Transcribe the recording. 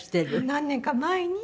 何年か前に。